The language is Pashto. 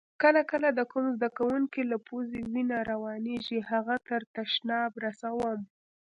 کله کله د کوم زده کونکي له پوزې وینه روانیږي هغه تر تشناب رسوم.